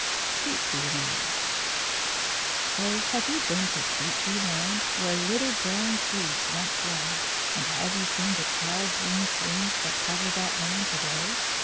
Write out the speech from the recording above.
SWEET PEA LAND Oh, have you been to Sweet pea Land, Where little brown seeds once lay? And have you seen the tall green swings That cover that Land to day?